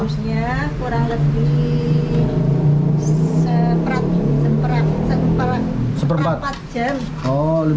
rebusnya kurang lebih seperempat jam